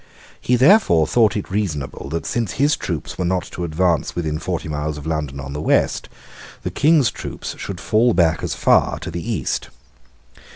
He therefore thought it reasonable that, since his troops were not to advance within forty miles of London on the west, the King's troops should fall back as far to the east.